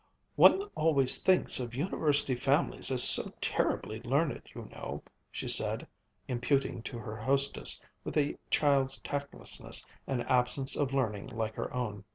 "One always thinks of University families as so terribly learned, you know," she said, imputing to her hostess, with a child's tactlessness, an absence of learning like her own.